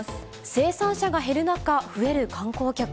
生産者が減る中、増える観光客。